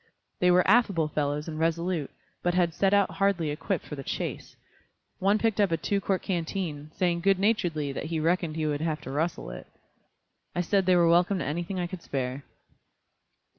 They were affable fellows and resolute, but had set out hardly equipped for the chase. One picked up a two quart canteen, saying good naturedly that he reckoned he would have to rustle it. I said they were welcome to anything I could spare.